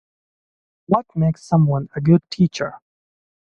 What makes someone a good teacher?